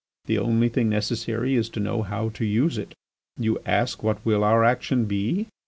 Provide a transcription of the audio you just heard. The only thing necessary is to know how to use it. You ask what will our action be?